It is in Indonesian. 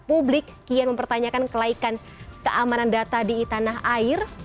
publik kian mempertanyakan kelaikan keamanan data di tanah air